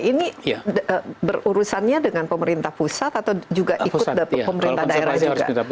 ini berurusannya dengan pemerintah pusat atau juga ikut pemerintah daerah juga